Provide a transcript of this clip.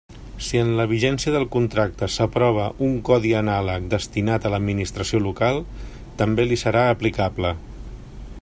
Si en la vigència del contracte s'aprova un codi anàleg destinat a l'administració local, també li serà aplicable.